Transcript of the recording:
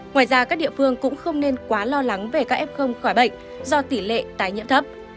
ngoài ra các địa phương cũng không nên quá lo lắng về các f khỏi bệnh do tỷ lệ tái nhiễm thấp